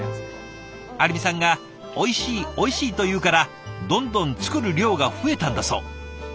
有美さんがおいしいおいしいと言うからどんどん作る量が増えたんだそう。